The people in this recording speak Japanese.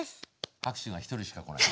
拍手が１人しかこない。